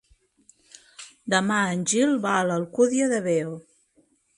Demà en Gil va a l'Alcúdia de Veo.